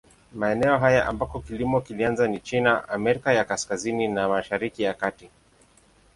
Maeneo haya ambako kilimo kilianza ni China, Amerika ya Kaskazini na Mashariki ya Kati.